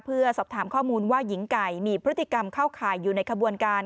เพื่อสอบถามข้อมูลว่าหญิงไก่มีพฤติกรรมเข้าข่ายอยู่ในขบวนการ